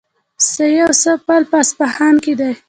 سي او سه پل په اصفهان کې دی.